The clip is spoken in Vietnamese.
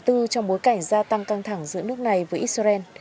trong bối cảnh gia tăng căng thẳng giữa nước này với israel